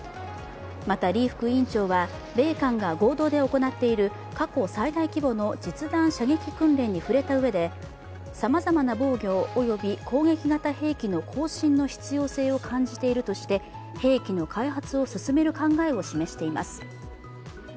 またリ副委員長は米韓が合同で行っている過去最大規模の実弾射撃訓練に触れたうえでさまざまな防御及び攻撃型兵器の更新の必要性を感じているとして兵器の開発を進める考えを示しています。